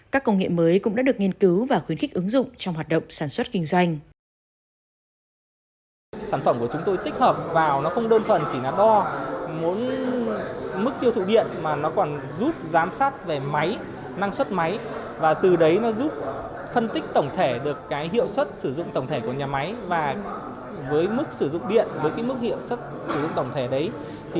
các công nghệ mới cũng đã được nghiên cứu và khuyến khích ứng dụng trong hoạt động sản xuất kinh doanh